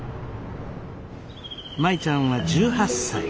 舞ちゃんは１８歳。